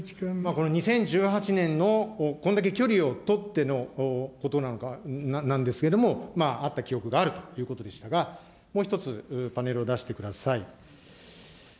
この２０１８年のこんだけ距離を取ってのことなんですけれども、会った記憶があるということでしたが、もう一つ、パネルを出してください。